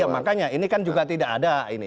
ya makanya ini kan juga tidak ada ini